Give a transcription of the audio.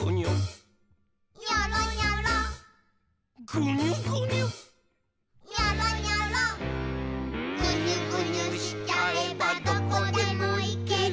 「ぐにゅぐにゅしちゃえばどこでも行ける」